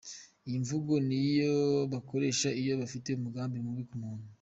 Iyi mvugo niyo bakoresha iyo bafite umugambi mubi ku muntu.